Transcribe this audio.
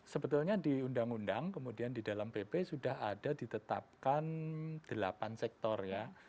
sebetulnya di undang undang kemudian di dalam pp sudah ada ditetapkan delapan sektor ya